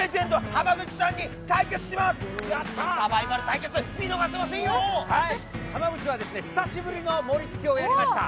濱口は久しぶりのもりつきをやりました。